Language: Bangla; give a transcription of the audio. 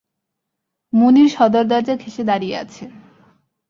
মুনির সদর দরজা ঘেষে দাঁড়িয়ে আছে।